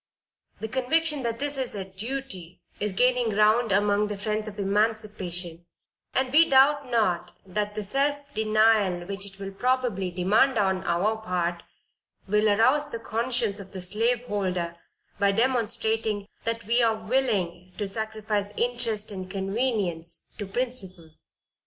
The conviction that this is a duty, is gaining ground among the friends of emancipation, and we doubt not that the self denial which it will probably demand on our part, will arouse the conscience of the slaveholder, by demonstrating that we are willing to sacrifice interest and convenience to principle.